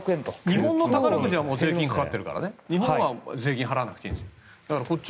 日本の宝くじは税金かかってるから日本は払わなくていい。